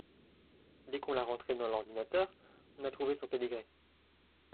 Dès qu’on l’a rentré dans l’ordinateur, on a trouvé son pedigree